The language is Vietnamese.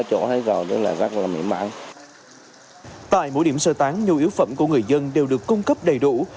tại mỗi điểm sơ tán nhiều yếu phẩm của người dân đều được cung cấp đầy đủ